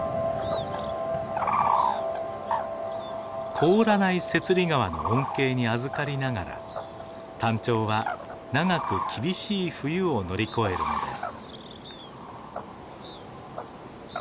凍らない雪裡川の恩恵にあずかりながらタンチョウは長く厳しい冬を乗り越えるのです。